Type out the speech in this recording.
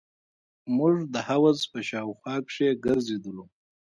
موږ د حوض په شاوخوا کښې ګرځېدلو.